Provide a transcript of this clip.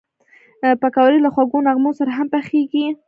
پکورې له خوږو نغمو سره هم پخېږي